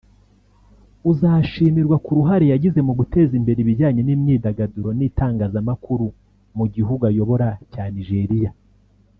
uzashimirwa ku ruhare yagize mu guteza imbere ibijyanye n’imyidagaduro n’itangazamakuru mu gihugu ayobora cya Nigeria